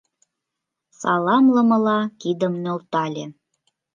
Саламлымыла, кидым нӧлтале.